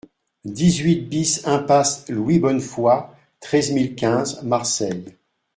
dix-huit BIS impasse Louis Bonnefoy, treize mille quinze Marseille